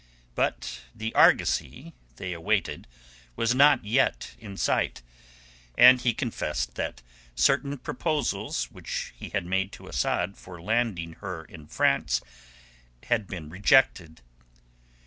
But the argosy they awaited was not yet in sight, and he confessed that certain proposals which he had made to Asad for landing her in France had been rejected.